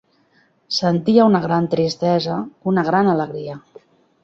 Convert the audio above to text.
Sentia una gran tristesa, una gran alegria.